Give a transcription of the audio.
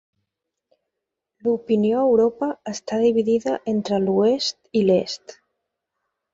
L'opinió a Europa està dividida entre l'oest i l'est.